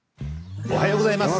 おはようございます。